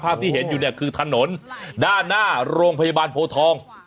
ที่เห็นอยู่เนี่ยคือถนนด้านหน้าโรงพยาบาลโพทอง